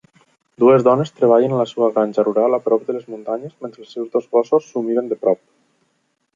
Dues dones treballen a la seva granja rural a prop de les muntanyes mentre els seus dos gossos s'ho miren de prop.